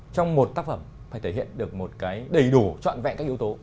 trong một tác phẩm phải thể hiện được một cái đầy đủ trọn vẹn các yếu tố